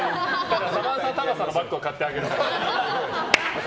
サマンサタバサのバッグは買ってあげるから。